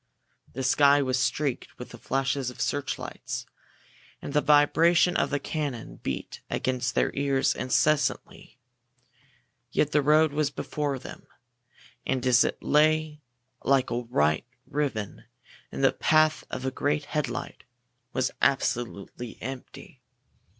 The sky was streaked with the flashes of searchlights, and the vibration of the cannon beat against their ears incessantly. Yet the road before them, as it lay like a white ribbon in the path of the great headlight, was absolutely empty.